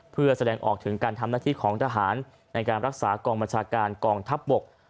เพื่อแสดงออกถึงการทำหน้าที่ของทหารในการรักษากองบัญชาการกองทัพบก